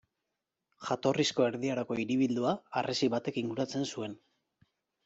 Jatorrizko Erdi Aroko hiribildua harresi batek inguratzen zuen.